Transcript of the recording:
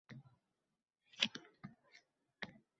Shimkentdan kelayotgan ekan